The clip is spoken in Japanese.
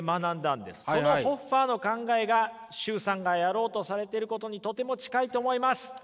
そのホッファーの考えが崇さんがやろうとされてることにとても近いと思います。